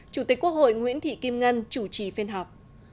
chủ tịch quốc hội nguyễn thị kim ngân chủ trì phiên họp